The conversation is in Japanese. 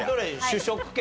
主食系？